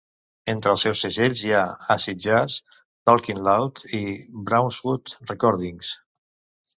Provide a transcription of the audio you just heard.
Entre els seus segells hi ha Acid Jazz, Talkin' Loud i Brownswood Recordings.